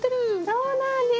そうなんです。